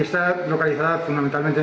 ini berpengaruh pada manusia